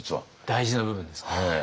大事な部分です。